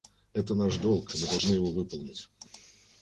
Это наш долг, и мы должны его выполнить.